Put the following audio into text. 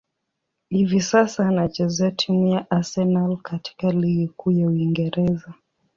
Hivi sasa, anachezea timu ya Arsenal katika ligi kuu ya Uingereza.